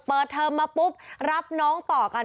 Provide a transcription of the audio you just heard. เทอมมาปุ๊บรับน้องต่อกัน